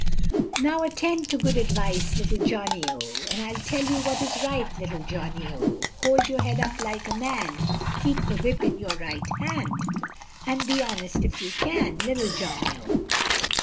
Now attend to good advice, Little Johnny, O, And I'll tell you what is right, Little Johnny, O, Hold your head up like a man, Keep the whip in your right hand, And be honest, if you can, Little Johnny, O.